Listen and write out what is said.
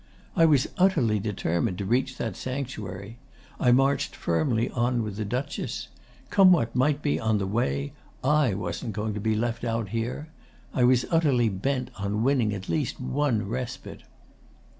I was utterly determined to reach that sanctuary. I marched firmly on with the Duchess. Come what might on the way, I wasn't going to be left out here. I was utterly bent on winning at least one respite.